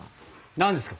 何ですか？